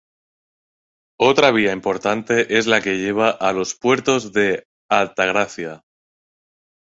Otra vía importante es la que lleva a Los Puertos de Altagracia.